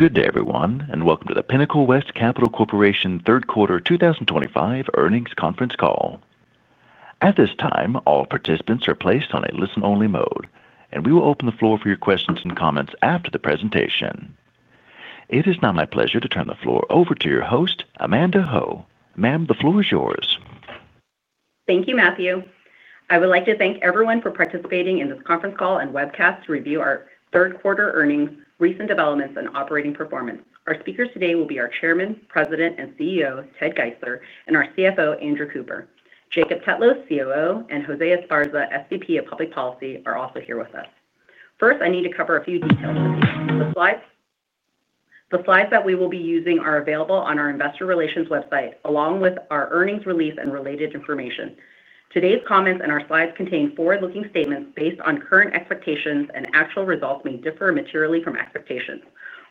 Good day, everyone, and welcome to the Pinnacle West Capital Corporation Third Quarter 2025 earnings conference call. At this time, all participants are placed on a listen-only mode, and we will open the floor for your questions and comments after the presentation. It is now my pleasure to turn the floor over to your host, Amanda Ho. Ma'am, the floor is yours. Thank you, Matthew. I would like to thank everyone for participating in this conference call and webcast to review our third quarter earnings, recent developments, and operating performance. Our speakers today will be our Chairman, President, and CEO, Ted Geisler, and our CFO, Andrew Cooper. Jacob Tetlow, COO, and Jose Esparza, SVP of Public Policy, are also here with us. First, I need to cover a few details with you. The slides that we will be using are available on our investor relations website, along with our earnings release and related information. Today's comments and our slides contain forward-looking statements based on current expectations, and actual results may differ materially from expectations.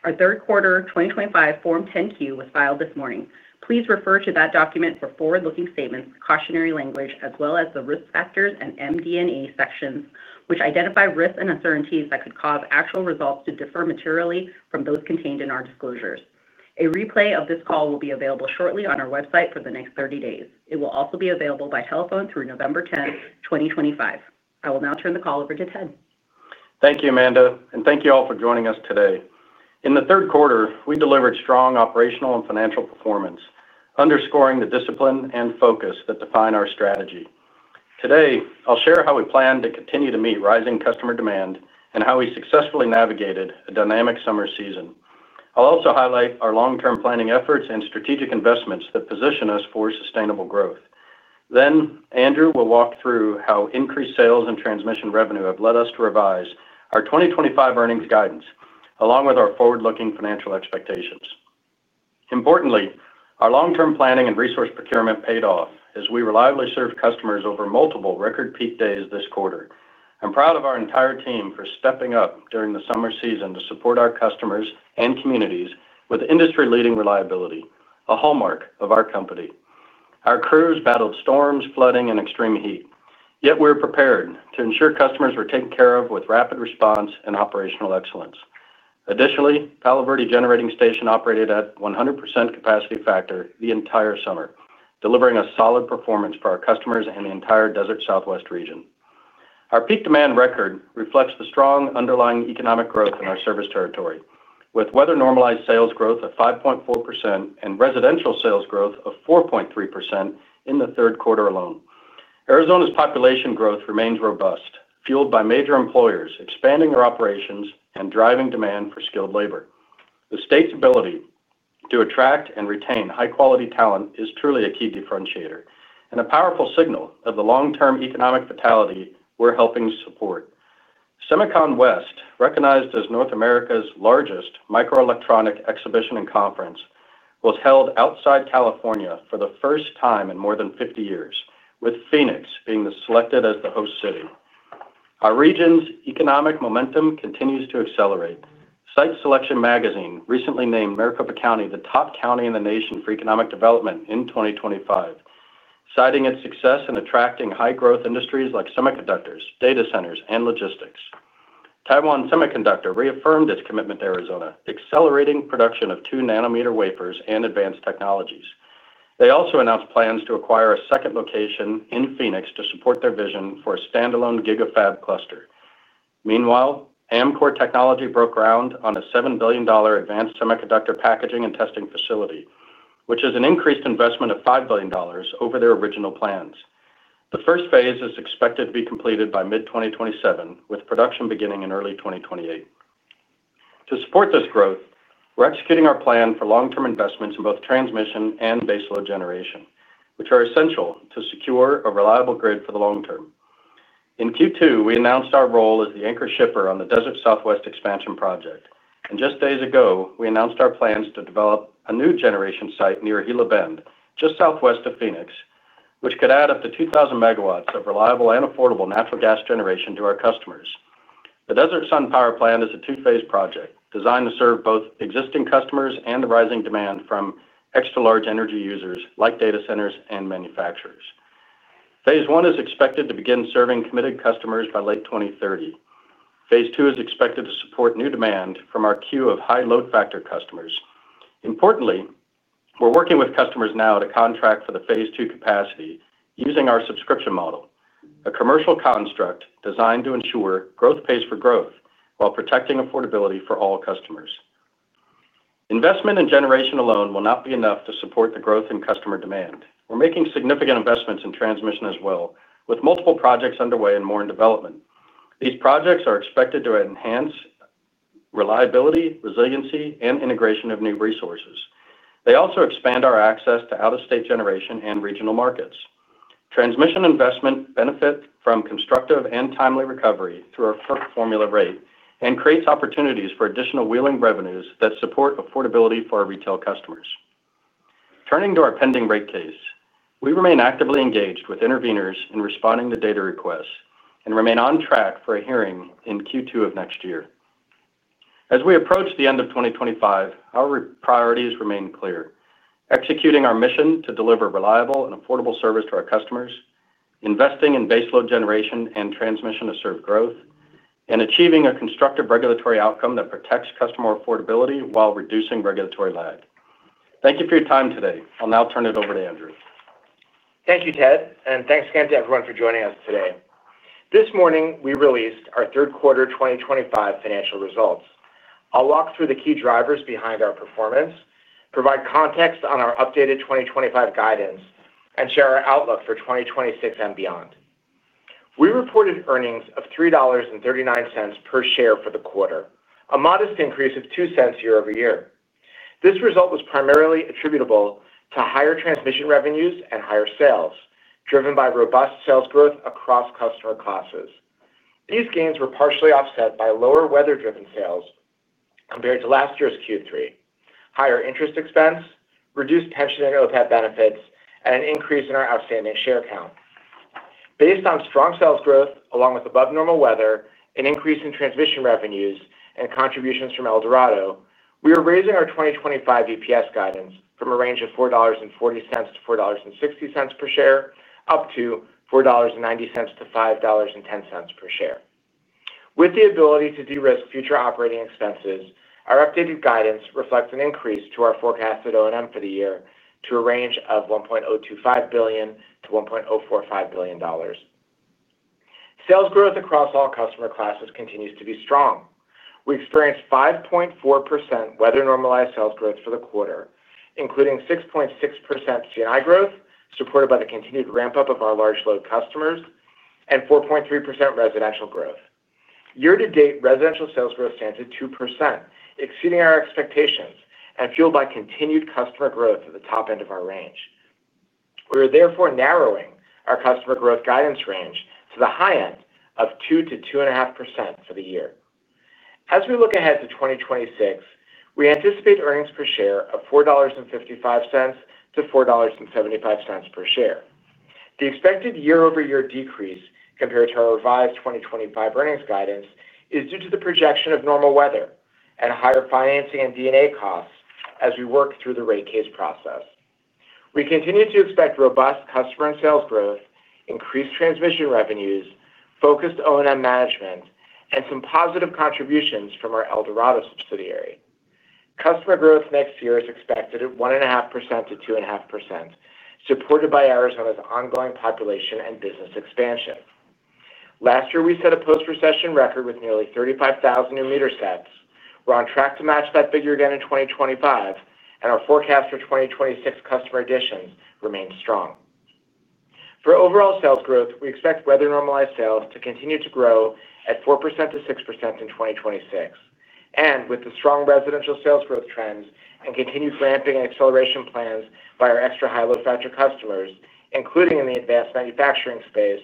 Our third quarter 2025 Form 10-Q was filed this morning. Please refer to that document for forward-looking statements, cautionary language, as well as the risk factors and MD&E sections, which identify risks and uncertainties that could cause actual results to differ materially from those contained in our disclosures. A replay of this call will be available shortly on our website for the next 30 days. It will also be available by telephone through November 10th 2025. I will now turn the call over to Ted. Thank you, Amanda, and thank you all for joining us today. In the third quarter, we delivered strong operational and financial performance, underscoring the discipline and focus that define our strategy. Today, I'll share how we plan to continue to meet rising customer demand and how we successfully navigated a dynamic summer season. I'll also highlight our long-term planning efforts and strategic investments that position us for sustainable growth. Then, Andrew will walk through how increased sales and transmission revenue have led us to revise our 2025 earnings guidance, along with our forward-looking financial expectations. Importantly, our long-term planning and resource procurement paid off as we reliably served customers over multiple record-peak days this quarter. I'm proud of our entire team for stepping up during the summer season to support our customers and communities with industry-leading reliability, a hallmark of our company. Our crews battled storms, flooding, and extreme heat, yet we were prepared to ensure customers were taken care of with rapid response and operational excellence. Additionally, Palo Verde Generating Station operated at 100% capacity factor the entire summer, delivering a solid performance for our customers and the entire Desert Southwest region. Our peak demand record reflects the strong underlying economic growth in our service territory, with weather-normalized sales growth of 5.4% and residential sales growth of 4.3% in the third quarter alone. Arizona's population growth remains robust, fueled by major employers expanding their operations and driving demand for skilled labor. The state's ability to attract and retain high-quality talent is truly a key differentiator and a powerful signal of the long-term economic vitality we're helping support. SEMICON West, recognized as North America's largest microelectronic exhibition and conference, was held outside California for the first time in more than 50 years, with Phoenix being selected as the host city. Our region's economic momentum continues to accelerate. Site Selection Magazine recently named Maricopa County the top county in the nation for economic development in 2025. Citing its success in attracting high-growth industries like semiconductors, data centers, and logistics, Taiwan Semiconductor reaffirmed its commitment to Arizona, accelerating production of two nanometer wafers and advanced technologies. They also announced plans to acquire a second location in Phoenix to support their vision for a standalone Gigafab cluster. Meanwhile, Amkor Technology broke ground on a $7 billion advanced semiconductor packaging and testing facility, which is an increased investment of $5 billion over their original plans. The first phase is expected to be completed by mid-2027, with production beginning in early 2028. To support this growth, we're executing our plan for long-term investments in both transmission and baseload generation, which are essential to secure a reliable grid for the long term. In Q2, we announced our role as the anchor shipper on the Desert Southwest expansion project. Just days ago, we announced our plans to develop a new generation site near Gila Bend, just southwest of Phoenix, which could add up to 2,000 MW of reliable and affordable natural gas generation to our customers. The Desert Sun Power Plant is a two-phase project designed to serve both existing customers and the rising demand from extra-large energy users like data centers and manufacturers. Phase one is expected to begin serving committed customers by late 2030. Phase two is expected to support new demand from our queue of high load factor customers. Importantly, we're working with customers now to contract for the phase two capacity using our subscription model, a commercial construct designed to ensure growth pays for growth while protecting affordability for all customers. Investment in generation alone will not be enough to support the growth in customer demand. We're making significant investments in transmission as well, with multiple projects underway and more in development. These projects are expected to enhance reliability, resiliency, and integration of new resources. They also expand our access to out-of-state generation and regional markets. Transmission investment benefits from constructive and timely recovery through our firm formula rate and creates opportunities for additional wheeling revenues that support affordability for our retail customers. Turning to our pending rate case, we remain actively engaged with interveners in responding to data requests and remain on track for a hearing in Q2 of next year. As we approach the end of 2025, our priorities remain clear: executing our mission to deliver reliable and affordable service to our customers, investing in baseload generation and transmission to serve growth, and achieving a constructive regulatory outcome that protects customer affordability while reducing regulatory lag. Thank you for your time today. I'll now turn it over to Andrew. Thank you, Ted, and thanks again to everyone for joining us today. This morning, we released our Third Quarter 2025 Financial Results. I'll walk through the key drivers behind our performance, provide context on our updated 2025 guidance, and share our outlook for 2026 and beyond. We reported earnings of $3.39 per share for the quarter, a modest increase of $0.02 year-over-year. This result was primarily attributable to higher transmission revenues and higher sales, driven by robust sales growth across customer classes. These gains were partially offset by lower weather-driven sales compared to last year's Q3, higher interest expense, reduced pension and OPEB benefits, and an increase in our outstanding share count. Based on strong sales growth, along with above-normal weather, an increase in transmission revenues, and contributions from El Dorado, we are raising our 2025 EPS guidance from a range of $4.40-$4.60 per share up to $4.90-$5.10 per share. With the ability to de-risk future operating expenses, our updated guidance reflects an increase to our forecasted O&M for the year to a range of $1.025 billion-$1.045 billion. Sales growth across all customer classes continues to be strong. We experienced 5.4% weather-normalized sales growth for the quarter, including 6.6% C&I growth supported by the continued ramp-up of our large load customers and 4.3% residential growth. Year-to-date, residential sales growth stands at 2%, exceeding our expectations and fueled by continued customer growth at the top end of our range. We are therefore narrowing our customer growth guidance range to the high end of 2%-2.5% for the year. As we look ahead to 2026, we anticipate earnings per share of $4.55-$4.75 per share. The expected year-over-year decrease compared to our revised 2025 earnings guidance is due to the projection of normal weather and higher financing and D&A costs as we work through the rate case process. We continue to expect robust customer and sales growth, increased transmission revenues, focused O&M management, and some positive contributions from our El Dorado subsidiary. Customer growth next year is expected at 1.5%-2.5%, supported by Arizona's ongoing population and business expansion. Last year, we set a post-recession record with nearly 35,000 new meter sets. We're on track to match that figure again in 2025, and our forecast for 2026 customer additions remains strong. For overall sales growth, we expect weather-normalized sales to continue to grow at 4%-6% in 2026. With the strong residential sales growth trends and continued ramping and acceleration plans by our extra high load factor customers, including in the advanced manufacturing space,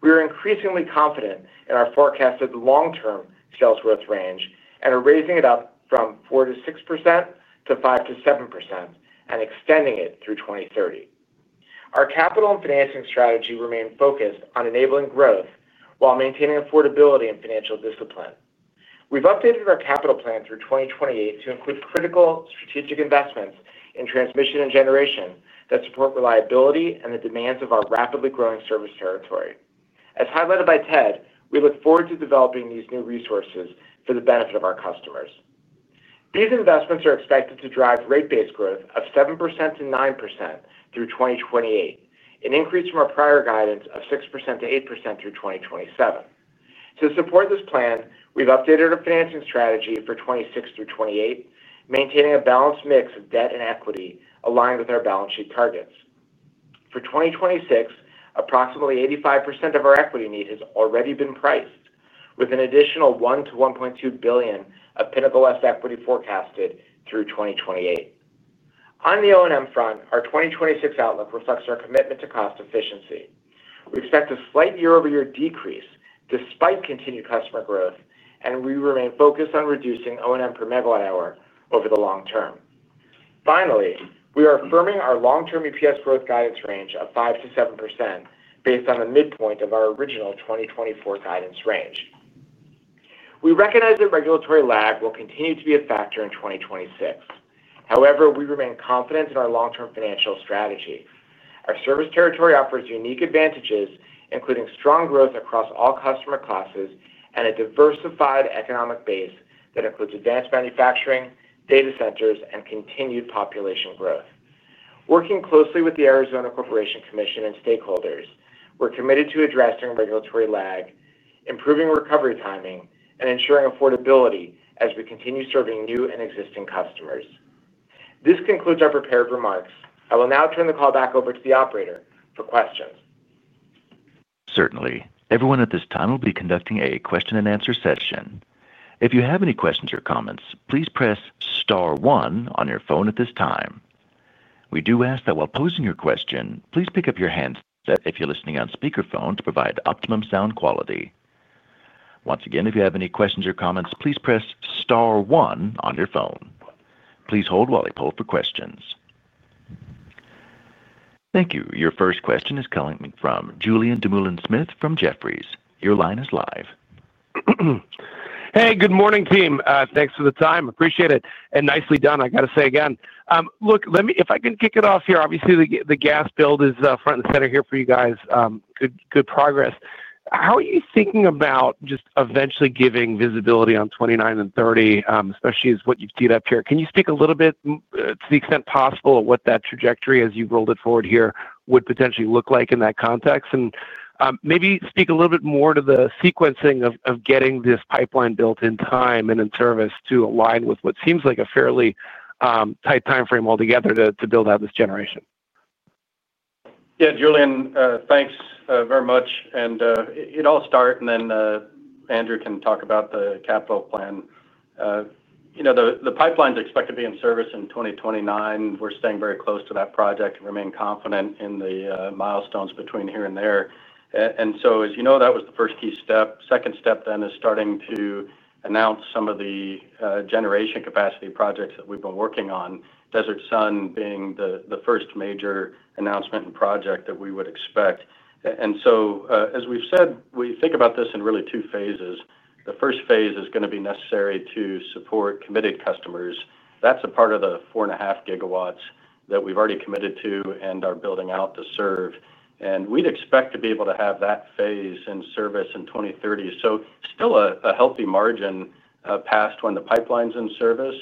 we are increasingly confident in our forecasted long-term sales growth range and are raising it up from 4%-6% to 5%-7% and extending it through 2030. Our capital and financing strategy remains focused on enabling growth while maintaining affordability and financial discipline. We've updated our capital plan through 2028 to include critical strategic investments in transmission and generation that support reliability and the demands of our rapidly growing service territory. As highlighted by Ted, we look forward to developing these new resources for the benefit of our customers. These investments are expected to drive rate-based growth of 7%-9% through 2028, an increase from our prior guidance of 6%-8% through 2027. To support this plan, we've updated our financing strategy for 2026 through 2028, maintaining a balanced mix of debt and equity aligned with our balance sheet targets. For 2026, approximately 85% of our equity need has already been priced, with an additional $1 billion-$1.2 billion of Pinnacle West equity forecasted through 2028. On the O&M front, our 2026 outlook reflects our commitment to cost efficiency. We expect a slight year-over-year decrease despite continued customer growth, and we remain focused on reducing O&M per megawatt hour over the long term. Finally, we are affirming our long-term EPS growth guidance range of 5%-7% based on the midpoint of our original 2024 guidance range. We recognize that regulatory lag will continue to be a factor in 2026. However, we remain confident in our long-term financial strategy. Our service territory offers unique advantages, including strong growth across all customer classes and a diversified economic base that includes advanced manufacturing, data centers, and continued population growth. Working closely with the Arizona Corporation Commission and stakeholders, we're committed to addressing regulatory lag, improving recovery timing, and ensuring affordability as we continue serving new and existing customers. This concludes our prepared remarks. I will now turn the call back over to the operator for questions. Certainly. Everyone at this time will be conducting a question-and-answer session. If you have any questions or comments, please press star one on your phone at this time. We do ask that while posing your question, please pick up your handset if you're listening on speakerphone to provide optimum sound quality. Once again, if you have any questions or comments, please press star one on your phone. Please hold while I pull for questions. Thank you. Your first question is coming from Julien Dumoulin-Smith from Jefferies. Your line is live. Hey, good morning, team. Thanks for the time. Appreciate it. Nicely done, I got to say again. Look, if I can kick it off here, obviously, the gas build is front and center here for you guys. Good progress. How are you thinking about just eventually giving visibility on 2029 and 2030, especially as what you've teed up here? Can you speak a little bit, to the extent possible, of what that trajectory, as you've rolled it forward here, would potentially look like in that context? Maybe speak a little bit more to the sequencing of getting this pipeline built in time and in service to align with what seems like a fairly tight timeframe altogether to build out this generation. Yeah, Julien, thanks very much. I'll start, and then Andrew can talk about the capital plan. The pipeline is expected to be in service in 2029. We're staying very close to that project and remain confident in the milestones between here and there. As you know, that was the first key step. The second step then is starting to announce some of the generation capacity projects that we've been working on, Desert Sun being the first major announcement and project that we would expect. As we've said, we think about this in really two phases. The first phase is going to be necessary to support committed customers. That's a part of the 4.5 GW that we've already committed to and are building out to serve. We'd expect to be able to have that phase in service in 2030. Still a healthy margin past when the pipeline's in service,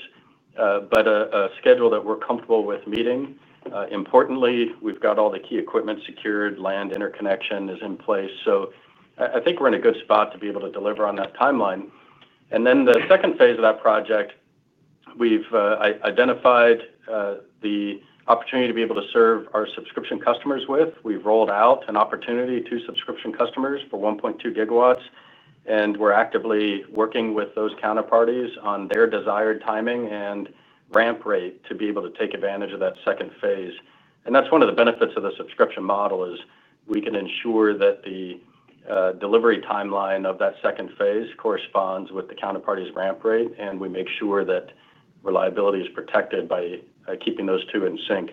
but a schedule that we're comfortable with meeting. Importantly, we've got all the key equipment secured. Land interconnection is in place. I think we're in a good spot to be able to deliver on that timeline. The second phase of that project, we've identified the opportunity to be able to serve our subscription customers with. We've rolled out an opportunity to subscription customers for 1.2 GW. We're actively working with those counterparties on their desired timing and ramp rate to be able to take advantage of that second phase. One of the benefits of the subscription model is we can ensure that the delivery timeline of that second phase corresponds with the counterparty's ramp rate, and we make sure that reliability is protected by keeping those two in sync.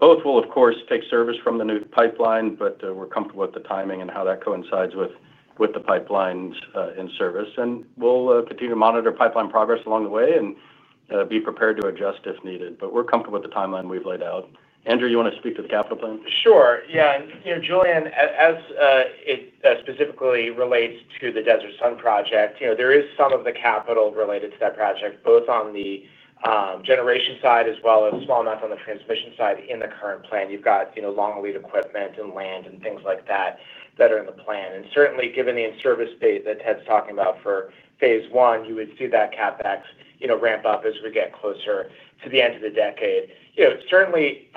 Both will, of course, take service from the new pipeline, but we're comfortable with the timing and how that coincides with the pipeline's in service. We'll continue to monitor pipeline progress along the way and be prepared to adjust if needed. We're comfortable with the timeline we've laid out. Andrew, you want to speak to the capital plan? Sure. Yeah. Julien, as it specifically relates to the Desert Sun project, there is some of the capital related to that project, both on the generation side as well as a small amount on the transmission side in the current plan. You've got long lead equipment and land and things like that that are in the plan. Certainly, given the in-service date that Ted's talking about for phase one, you would see that CapEx ramp up as we get closer to the end of the decade. Certainly,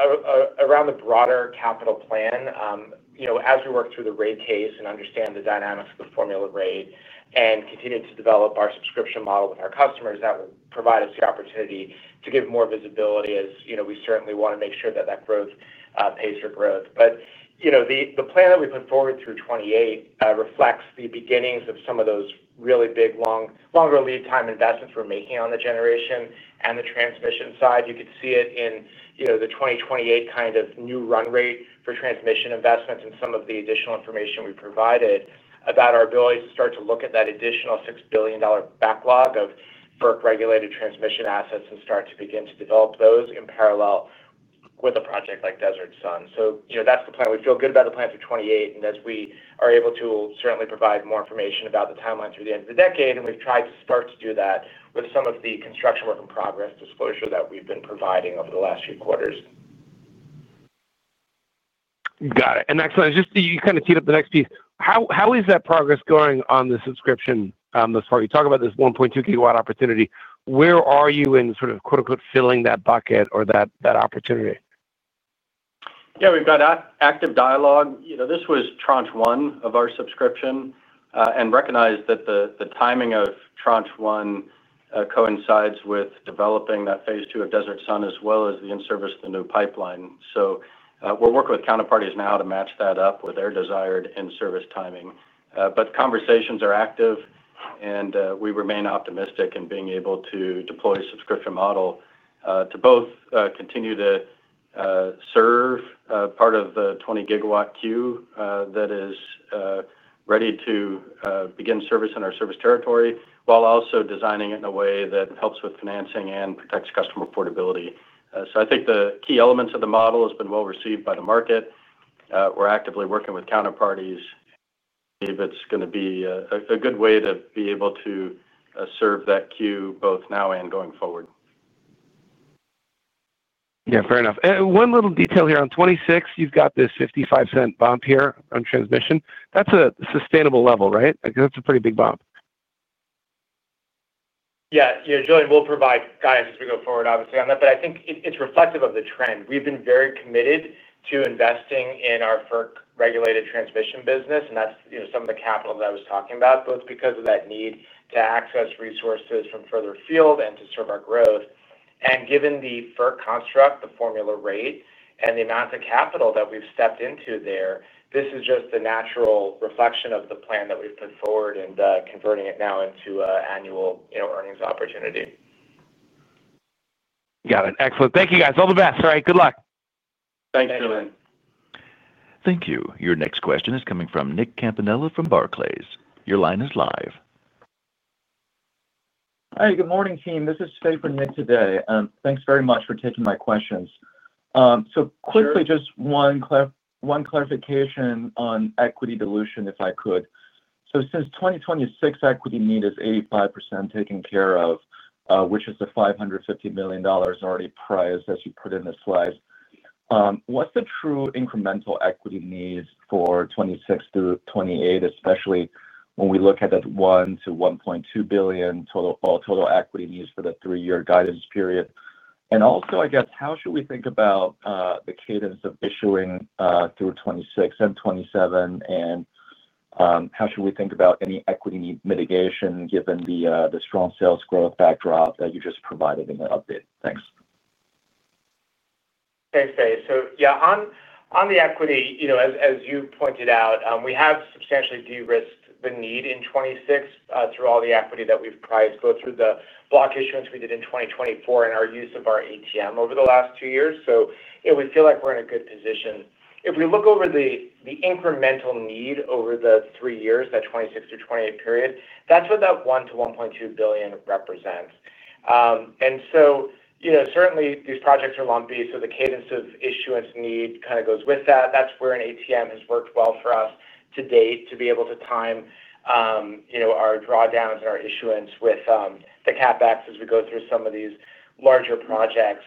around the broader capital plan, as we work through the rate case and understand the dynamics of the formula rate and continue to develop our subscription model with our customers, that will provide us the opportunity to give more visibility as we certainly want to make sure that growth pays for growth. The plan that we put forward through 2028 reflects the beginnings of some of those really big, longer lead-time investments we're making on the generation and the transmission side. You could see it in the 2028 kind of new run rate for transmission investments and some of the additional information we provided about our ability to start to look at that additional $6 billion backlog of FERC-regulated transmission assets and start to begin to develop those in parallel with a project like Desert Sun. That's the plan. We feel good about the plan for 2028. As we are able to, we'll certainly provide more information about the timeline through the end of the decade. We've tried to start to do that with some of the construction work in progress disclosure that we've been providing over the last few quarters. Got it. Next one, just to kind of tee up the next piece, how is that progress going on the subscription? This part? You talk about this 1.2 GW opportunity. Where are you in sort of "filling that bucket" or that opportunity? Yeah, we've got active dialogue. This was tranche one of our subscription. And recognize that the timing of tranche one coincides with developing that phase two of Desert Sun as well as the in-service, the new pipeline. So we're working with counterparties now to match that up with their desired in-service timing. But conversations are active, and we remain optimistic in being able to deploy a subscription model to both continue to serve part of the 20 GW queue that is ready to begin service in our service territory, while also designing it in a way that helps with financing and protects customer affordability. I think the key elements of the model have been well received by the market. We're actively working with counterparties. If it's going to be a good way to be able to serve that queue both now and going forward. Yeah, fair enough. One little detail here. On 2026, you've got this $0.55 bump here on transmission. That's a sustainable level, right? I guess that's a pretty big bump. Yeah. Yeah, Julien will provide guidance as we go forward, obviously, on that. I think it's reflective of the trend. We've been very committed to investing in our FERC-regulated transmission business. That's some of the capital that I was talking about, both because of that need to access resources from further field and to serve our growth. Given the FERC construct, the formula rate, and the amount of capital that we've stepped into there, this is just the natural reflection of the plan that we've put forward and converting it now into annual earnings opportunity. Got it. Excellent. Thank you, guys. All the best. All right, good luck. Thanks, Julien. Thank you. Your next question is coming from Nick Campanella from Barclays. Your line is live. Hi, good morning, team. This is Fei from Nick today. Thanks very much for taking my questions. Quickly, just one clarification on equity dilution, if I could. Since 2026, equity need is 85% taken care of, which is the $550 million already prized, as you put in the slides. What's the true incremental equity needs for 2026 through 2028, especially when we look at that $1 billion-$1.2 billion total equity needs for the three-year guidance period? Also, I guess, how should we think about the cadence of issuing through 2026 and 2027? How should we think about any equity need mitigation, given the strong sales growth backdrop that you just provided in the update? Thanks. Thanks, Fei. Yeah, on the equity, as you pointed out, we have substantially de-risked the need in 2026 through all the equity that we've prized both through the block issuance we did in 2024 and our use of our ATM over the last two years. We feel like we're in a good position. If we look over the incremental need over the three years, that 2026-2028 period, that's what that $1 billion-$1.2 billion represents. Certainly, these projects are lumpy, so the cadence of issuance need kind of goes with that. That's where an ATM has worked well for us to date to be able to time our drawdowns and our issuance with the CapEx as we go through some of these larger projects.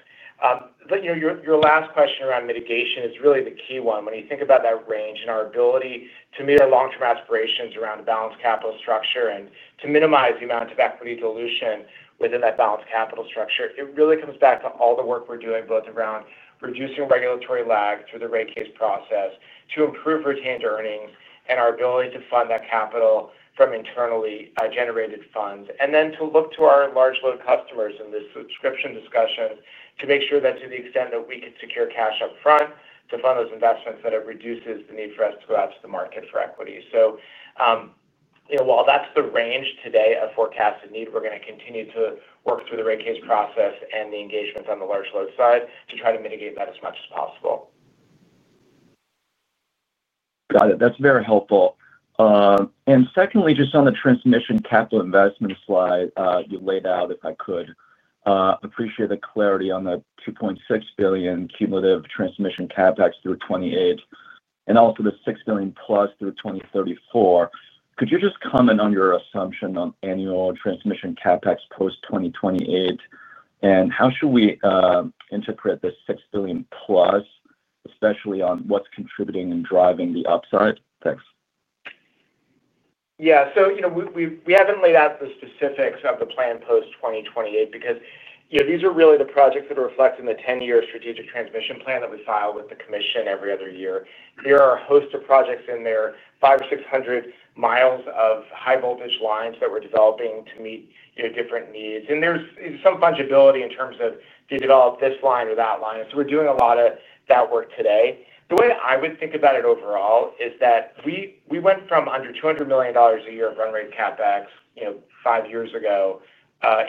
Your last question around mitigation is really the key one. When you think about that range and our ability to meet our long-term aspirations around the balanced capital structure and to minimize the amount of equity dilution within that balanced capital structure, it really comes back to all the work we're doing, both around reducing regulatory lag through the rate case process to improve retained earnings and our ability to fund that capital from internally generated funds, and then to look to our large load customers in this subscription discussion to make sure that to the extent that we can secure cash upfront to fund those investments that it reduces the need for us to go out to the market for equity. While that's the range today of forecasted need, we're going to continue to work through the rate case process and the engagements on the large load side to try to mitigate that as much as possible. Got it. That's very helpful. Secondly, just on the transmission capital investment slide you laid out, if I could. Appreciate the clarity on the $2.6 billion cumulative transmission CapEx through 2028 and also the $6+ billion through 2034. Could you just comment on your assumption on annual transmission CapEx post-2028? How should we interpret the $6+ billion, especially on what's contributing and driving the upside? Thanks. Yeah. We haven't laid out the specifics of the plan post-2028 because these are really the projects that are reflected in the 10-year strategic transmission plan that we file with the commission every other year. There are a host of projects in there, 500 mi-600 mi of high-voltage lines that we're developing to meet different needs. There's some fungibility in terms of if you develop this line or that line. We're doing a lot of that work today. The way I would think about it overall is that we went from under $200 million a year of run rate CapEx five years ago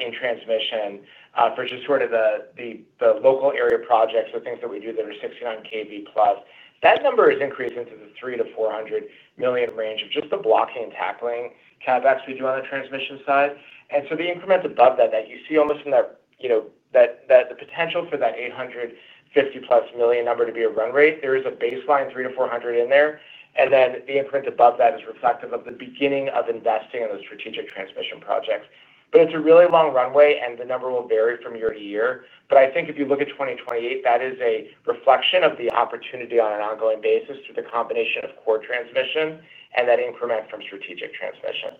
in transmission for just sort of the local area projects or things that we do that are 69 kV plus. That number has increased into the $300 million-$400 million range of just the blocking and tackling CapEx we do on the transmission side. The increments above that, that you see almost in that, the potential for that $850+ million number to be a run rate, there is a baseline $300 million-$400 million in there. The increment above that is reflective of the beginning of investing in those strategic transmission projects. It's a really long runway, and the number will vary from year to year. I think if you look at 2028, that is a reflection of the opportunity on an ongoing basis through the combination of core transmission and that increment from strategic transmission.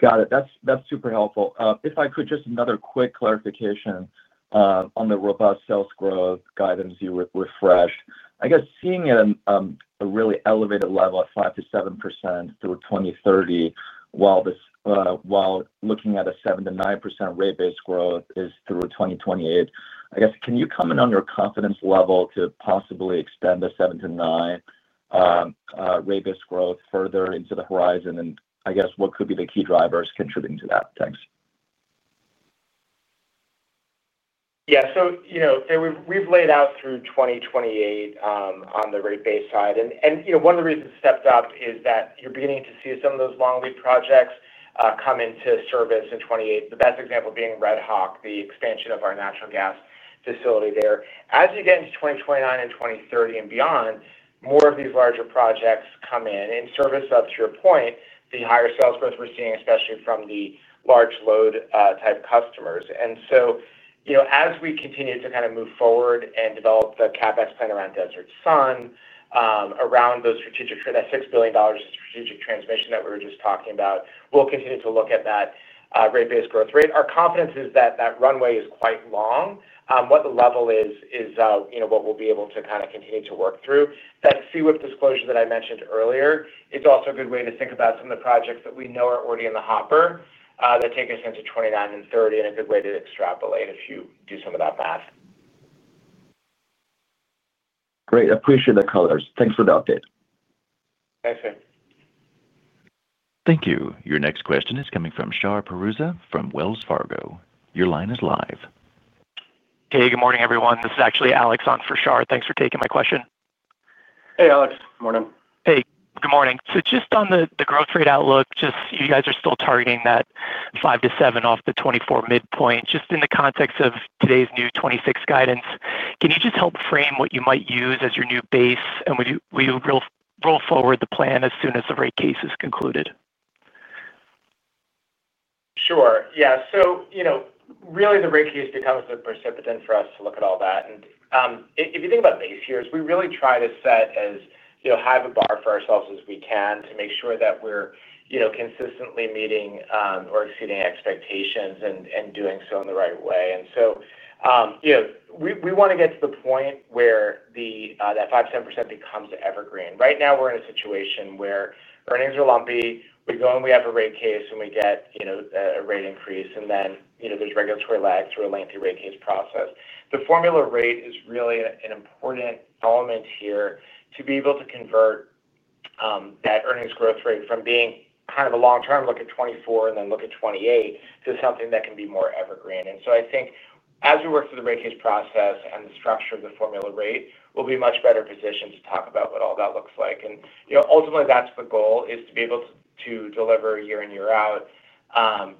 Got it. That's super helpful. If I could, just another quick clarification on the robust sales growth guidance you refreshed. I guess seeing it at a really elevated level of 5%-7% through 2030, while looking at a 7%-9% rate-based growth is through 2028. I guess, can you comment on your confidence level to possibly extend the 7%-9% rate-based growth further into the horizon? I guess, what could be the key drivers contributing to that? Thanks. Yeah. We have laid out through 2028 on the rate-based side. One of the reasons it is stepped up is that you are beginning to see some of those long lead projects come into service in 2028. The best example being Redhawk, the expansion of our natural gas facility there. As you get into 2029 and 2030 and beyond, more of these larger projects come in and service, to your point, the higher sales growth we are seeing, especially from the large load type customers. As we continue to kind of move forward and develop the CapEx plan around Desert Sun, around those strategic for that $6 billion in strategic transmission that we were just talking about, we will continue to look at that rate-based growth rate. Our confidence is that that runway is quite long. What the level is, is what we will be able to kind of continue to work through. That CWIP disclosure that I mentioned earlier is also a good way to think about some of the projects that we know are already in the hopper that take us into 2029 and 2030, and a good way to extrapolate if you do some of that math. Great. Appreciate the color. Thanks for the update. Thanks, Fei. Thank you. Your next question is coming from Shar Pourreza from Wells Fargo. Your line is live. Hey, good morning, everyone. This is actually Alex on for Shar. Thanks for taking my question. Hey, Alex. Good morning. Hey. Good morning. Just on the growth rate outlook, you guys are still targeting that 5%-7% off the 2024 midpoint. In the context of today's new 2026 guidance, can you help frame what you might use as your new base and will you roll forward the plan as soon as the rate case is concluded? Sure. Yeah. So. Really, the rate case becomes the precipitant for us to look at all that. If you think about base years, we really try to set as high of a bar for ourselves as we can to make sure that we're consistently meeting or exceeding expectations and doing so in the right way. We want to get to the point where that 5%-7% becomes evergreen. Right now, we're in a situation where earnings are lumpy. We go and we have a rate case, and we get a rate increase. Then there's regulatory lag through a lengthy rate case process. The formula rate is really an important element here to be able to convert that earnings growth rate from being kind of a long-term, look at 2024 and then look at 2028 to something that can be more evergreen. I think as we work through the rate case process and the structure of the formula rate, we'll be much better positioned to talk about what all that looks like. Ultimately, that's the goal, to be able to deliver year in, year out.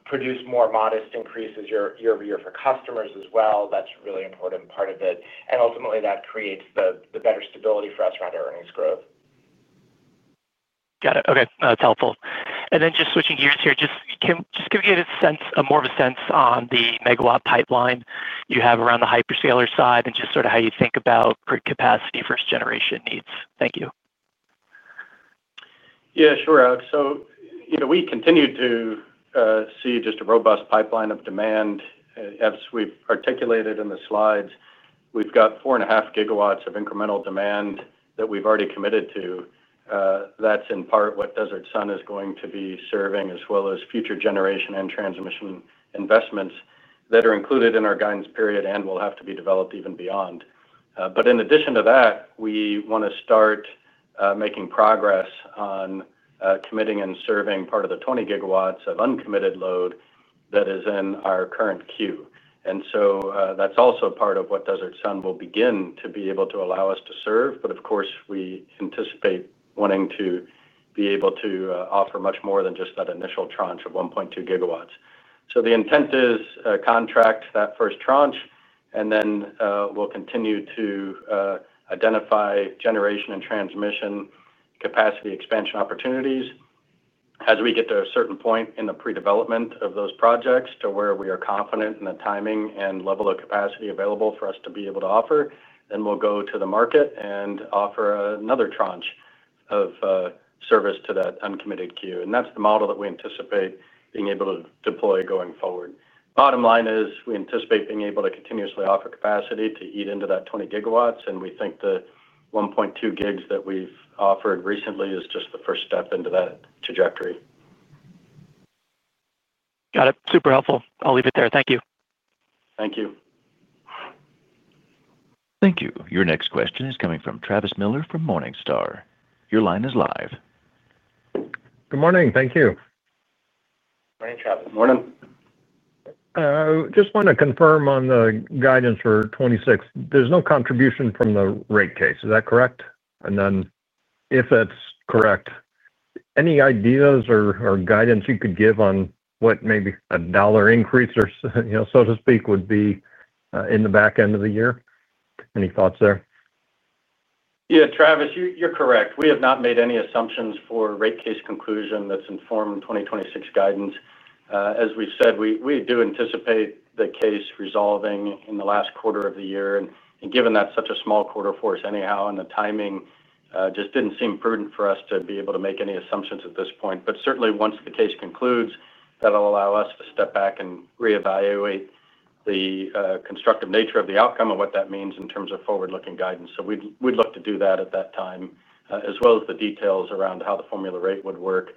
Produce more modest increases year-over-year for customers as well. That's a really important part of it. Ultimately, that creates the better stability for us around our earnings growth. Got it. Okay. That's helpful. Just switching gears here, just give me a sense, more of a sense on the megawatt pipeline you have around the hyperscaler side and just sort of how you think about capacity first-generation needs. Thank you. Yeah, sure, Alex. We continue to see just a robust pipeline of demand. As we've articulated in the slides, we've got 4.5 GW of incremental demand that we've already committed to. That's in part what Desert Sun is going to be serving, as well as future generation and transmission investments that are included in our guidance period and will have to be developed even beyond. In addition to that, we want to start making progress on committing and serving part of the 20 GW of uncommitted load that is in our current queue. That's also part of what Desert Sun will begin to be able to allow us to serve. Of course, we anticipate wanting to be able to offer much more than just that initial tranche of 1.2 GW. The intent is to contract that first tranche, and then we'll continue to identify generation and transmission capacity expansion opportunities. As we get to a certain point in the pre-development of those projects to where we are confident in the timing and level of capacity available for us to be able to offer, then we'll go to the market and offer another tranche of service to that uncommitted queue. That's the model that we anticipate being able to deploy going forward. Bottom line is we anticipate being able to continuously offer capacity to eat into that 20 GW. We think the 1.2 GW that we've offered recently is just the first step into that trajectory. Got it. Super helpful. I'll leave it there. Thank you. Thank you. Thank you. Your next question is coming from Travis Miller from Morningstar. Your line is live. Good morning. Thank you. Morning, Travis. Morning. Just want to confirm on the guidance for 2026, there's no contribution from the rate case. Is that correct? If it's correct, any ideas or guidance you could give on what maybe a dollar increase, so to speak, would be in the back end of the year? Any thoughts there? Yeah, Travis, you're correct. We have not made any assumptions for rate case conclusion that's informed 2026 guidance. As we've said, we do anticipate the case resolving in the last quarter of the year. Given that's such a small quarter for us anyhow, the timing just didn't seem prudent for us to be able to make any assumptions at this point. Certainly, once the case concludes, that'll allow us to step back and reevaluate the constructive nature of the outcome and what that means in terms of forward-looking guidance. We'd look to do that at that time, as well as the details around how the formula rate would work,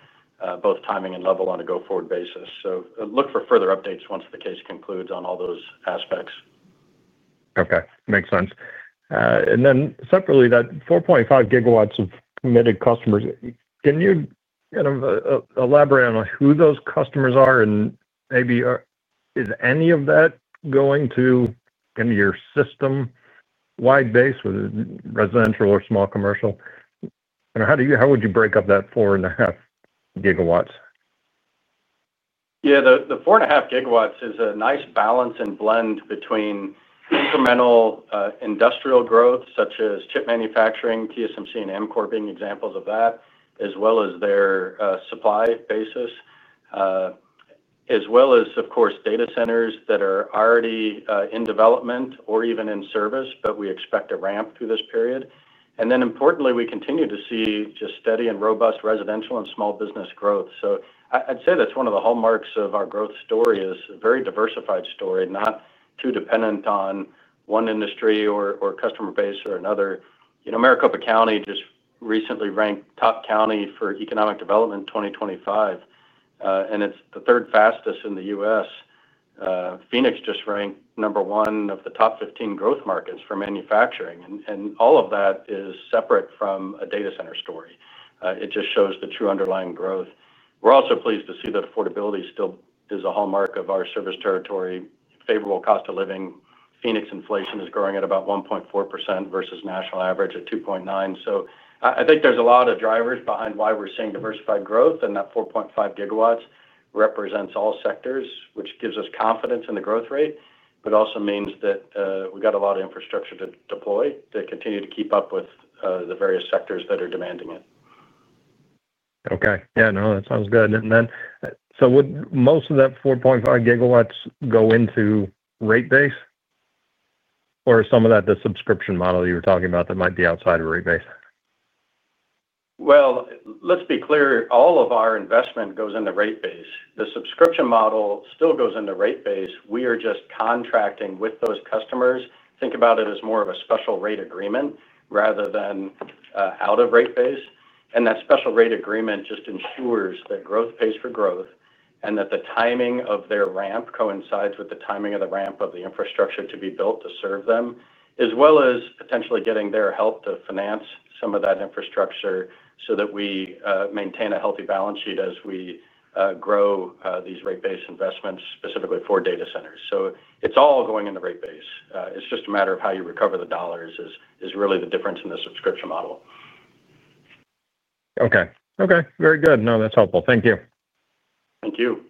both timing and level on a go-forward basis. Look for further updates once the case concludes on all those aspects. Okay. Makes sense. Then separately, that 4.5 GW of committed customers, can you elaborate on who those customers are? Maybe, is any of that going to your system-wide base with residential or small commercial? How would you break up that 4.5 GW? Yeah. The 4.5 GW is a nice balance and blend between incremental industrial growth, such as chip manufacturing, TSMC and Amkor being examples of that, as well as their supply basis. As well as, of course, data centers that are already in development or even in service, but we expect a ramp through this period. Importantly, we continue to see just steady and robust residential and small business growth. I'd say that's one of the hallmarks of our growth story, is a very diversified story, not too dependent on one industry or customer base or another. Maricopa County just recently ranked top county for economic development in 2025. It is the third fastest in the U.S. Phoenix just ranked number one of the top 15 growth markets for manufacturing. All of that is separate from a data center story. It just shows the true underlying growth. We're also pleased to see that affordability still is a hallmark of our service territory, favorable cost of living. Phoenix inflation is growing at about 1.4% versus national average at 2.9%. I think there's a lot of drivers behind why we're seeing diversified growth. That 4.5 GW represents all sectors, which gives us confidence in the growth rate, but also means that we've got a lot of infrastructure to deploy to continue to keep up with the various sectors that are demanding it. Okay. Yeah. No, that sounds good. And then so would most of that 4.5 GW go into rate base? Or is some of that the subscription model you were talking about that might be outside of rate base? Let's be clear. All of our investment goes into rate base. The subscription model still goes into rate base. We are just contracting with those customers. Think about it as more of a special rate agreement rather than out of rate base. That special rate agreement just ensures that growth pays for growth and that the timing of their ramp coincides with the timing of the ramp of the infrastructure to be built to serve them, as well as potentially getting their help to finance some of that infrastructure so that we maintain a healthy balance sheet as we grow these rate-based investments specifically for data centers. It is all going into rate base. It is just a matter of how you recover the dollars that is really the difference in the subscription model. Okay. Okay. Very good. No, that's helpful. Thank you. Thank you.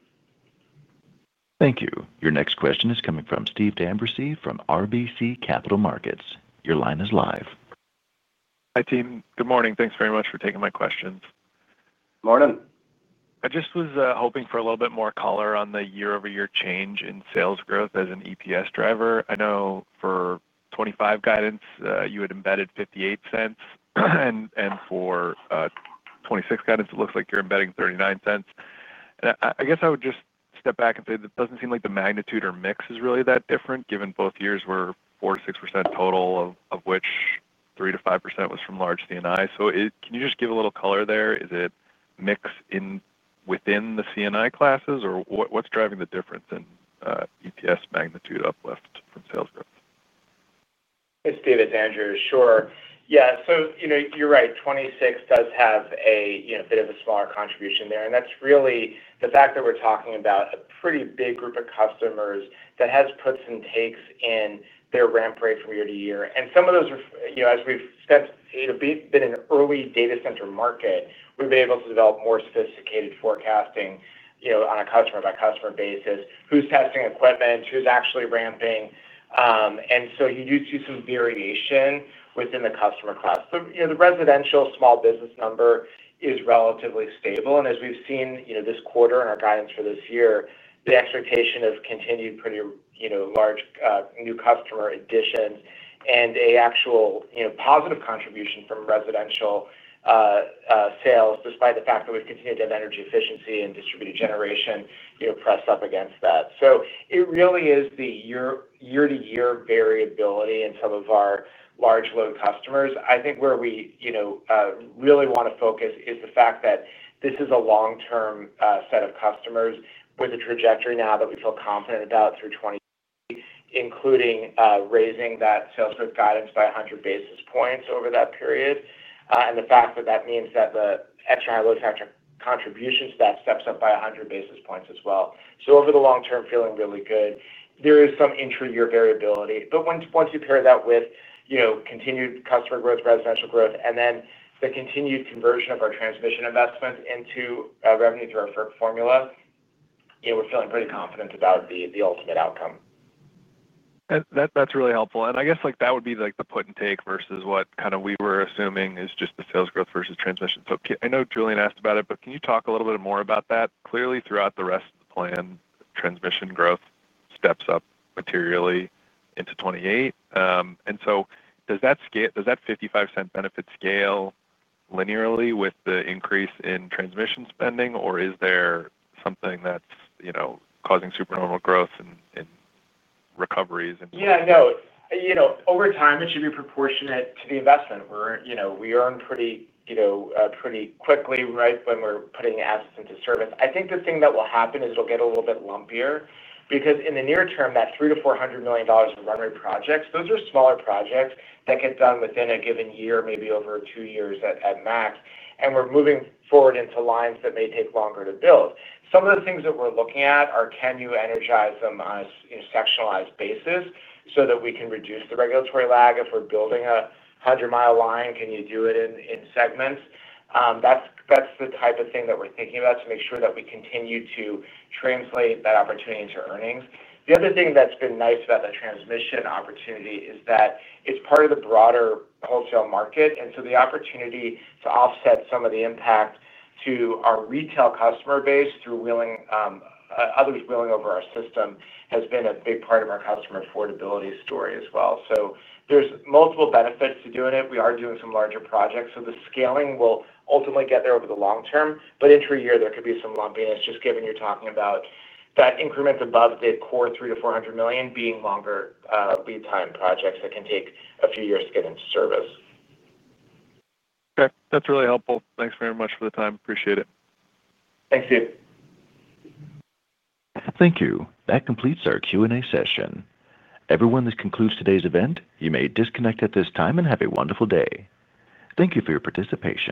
Thank you. Your next question is coming from Steve D'Ambrisi from RBC Capital Markets. Your line is live. Hi, team. Good morning. Thanks very much for taking my questions. Morning. I just was hoping for a little bit more color on the year-over-year change in sales growth as an EPS driver. I know for 2025 guidance, you had embedded $0.58. And for 2026 guidance, it looks like you're embedding $0.39. I guess I would just step back and say that it doesn't seem like the magnitude or mix is really that different, given both years were 4%-6% total, of which 3%-5% was from large C&I. Can you just give a little color there? Is it mixed within the C&I classes, or what's driving the difference in EPS magnitude uplift from sales growth? Hey, Steve, it's Andrew. Sure. Yeah. You're right. 2026 does have a bit of a smaller contribution there. That's really the fact that we're talking about a pretty big group of customers that has puts and takes in their ramp rate from year to year. Some of those, as we've spent being in an early data center market, we've been able to develop more sophisticated forecasting on a customer-by-customer basis, who's testing equipment, who's actually ramping. You do see some variation within the customer class. The residential small business number is relatively stable. As we've seen this quarter and our guidance for this year, the expectation has continued pretty large new customer additions and an actual positive contribution from residential sales, despite the fact that we've continued to have energy efficiency and distributed generation pressed up against that. It really is the year-to-year variability in some of our large load customers. I think where we really want to focus is the fact that this is a long-term set of customers with a trajectory now that we feel confident about through [2023], including raising that sales growth guidance by 100 basis points over that period. The fact that that means that the extra low tax contributions to that steps up by 100 basis points as well. Over the long term, feeling really good. There is some intra-year variability. Once you pair that with continued customer growth, residential growth, and then the continued conversion of our transmission investments into revenue through our firm formula, we're feeling pretty confident about the ultimate outcome. That's really helpful. I guess that would be the put and take versus what kind of we were assuming is just the sales growth versus transmission. I know Julien asked about it, but can you talk a little bit more about that? Clearly, throughout the rest of the plan, transmission growth steps up materially into 2028. Does that $0.55 benefit scale linearly with the increase in transmission spending, or is there something that's causing supernormal growth and recoveries? Yeah. No. Over time, it should be proportionate to the investment. We earn pretty quickly, right, when we're putting assets into service. I think the thing that will happen is it'll get a little bit lumpier because in the near term, that $300 million-$400 million of runway projects, those are smaller projects that get done within a given year, maybe over two years at max. We are moving forward into lines that may take longer to build. Some of the things that we're looking at are, can you energize them on a sectionalized basis so that we can reduce the regulatory lag? If we're building a 100 mi line, can you do it in segments? That's the type of thing that we're thinking about to make sure that we continue to translate that opportunity into earnings. The other thing that's been nice about the transmission opportunity is that it's part of the broader wholesale market. The opportunity to offset some of the impact to our retail customer base through others wheeling over our system has been a big part of our customer affordability story as well. There are multiple benefits to doing it. We are doing some larger projects. The scaling will ultimately get there over the long term. Intra-year, there could be some lumpiness, just given you're talking about that increment above the core $300 million-$400 million being longer lead time projects that can take a few years to get into service. Okay. That's really helpful. Thanks very much for the time. Appreciate it. Thanks, Steve. Thank you. That completes our Q&A session. Everyone, this concludes today's event. You may disconnect at this time and have a wonderful day. Thank you for your participation.